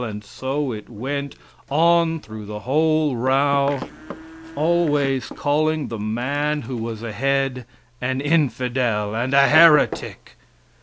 And, so it went on through the whole row always calling the man who was ahead an infidel and a heretic.